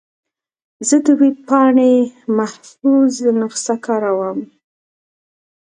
زه د ویب پاڼې محفوظ نسخه کاروم.